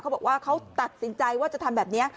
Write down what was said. เขาบอกว่าเขาตัดสินใจว่าจะทำแบบนี้